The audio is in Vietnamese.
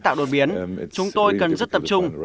tạo đột biến chúng tôi cần rất tập trung